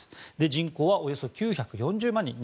人口はおよそ９４０万人